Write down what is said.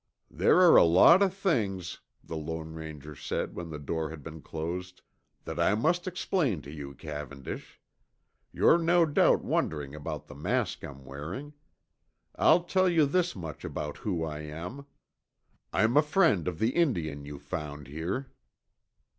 "There are a lot of things," the Lone Ranger said when the door had been closed, "that I must explain to you, Cavendish. You're no doubt wondering about the mask I'm wearing. I'll tell you this much about who I am. I'm a friend of the Indian you found here."